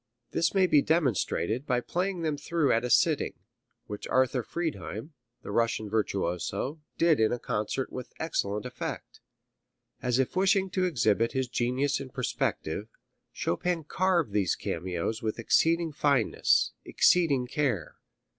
This may be demonstrated by playing them through at a sitting, which Arthur Friedheim, the Russian virtuoso, did in a concert with excellent effect. As if wishing to exhibit his genius in perspective, Chopin carved these cameos with exceeding fineness, exceeding care.